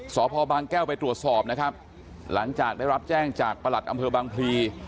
สพบางแก้วไปตรวจสอบนะครับหลังจากได้รับแจ้งจากประหลัดอำเภอบางพลี